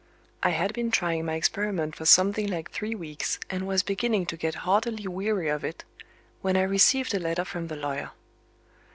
I had been trying my experiment for something like three weeks, and was beginning to get heartily weary of it, when I received a letter from the lawyer.